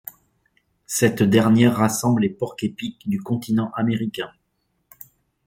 Cette dernière rassemble les porcs-épics du continent américain.